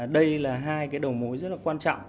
đây là hai đầu mối rất quan trọng